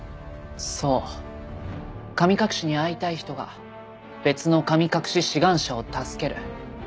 そう神隠しに遭いたい人が別の神隠し志願者を助ける。